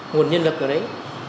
nguồn nhân lực ở đấy